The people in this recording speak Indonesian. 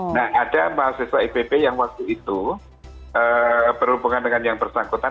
nah ada mahasiswa ipb yang waktu itu berhubungan dengan yang bersangkutan